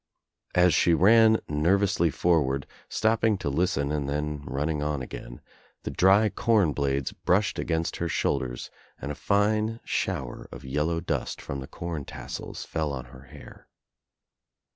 As she ran nervously forward, stopping to listen and then running on again, the dry corn blades brushed against her shoulders and a line shower of yellow dust from the com tassels fell on her hair.